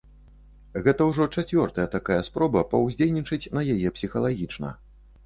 Гэта ўжо чацвёртая такая спроба паўздзейнічаць на яе псіхалагічна.